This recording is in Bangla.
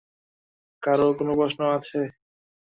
কারো কোনো প্রশ্ন আছে?